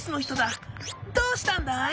どうしたんだい？